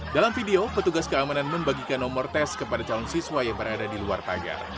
dalam video petugas keamanan membagikan nomor tes kepada calon siswa yang berada di luar pagar